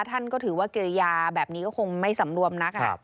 ท่านก็ถือว่ากิริยาแบบนี้ก็คงไม่สำรวมนัก